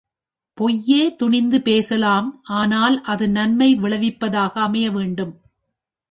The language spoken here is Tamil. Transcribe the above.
பொய்யே துணிந்து பேசலாம் ஆனால் அது நன்மை விளைவிப்பதாக அமையவேண்டும்.